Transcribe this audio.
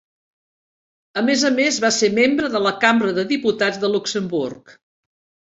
A més a més, va ser membre de la Cambra de Diputats de Luxemburg.